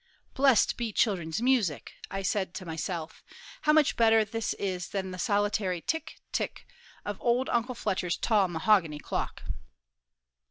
"Blessed be children's music!" said I to myself; "how much better this is than the solitary tick, tick, of old Uncle Fletcher's tall mahogany clock!"